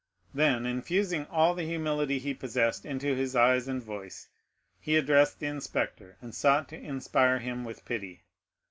Then, infusing all the humility he possessed into his eyes and voice, he addressed the inspector, and sought to inspire him with pity.